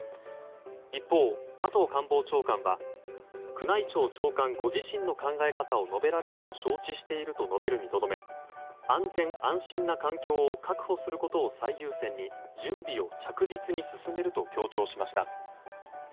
一方、加藤官房長官は宮内庁長官ご自身の考え方を述べられたと承知していると述べるにとどめ安全・安心な環境を確保することを最優先に準備を着実に進めると強調しました。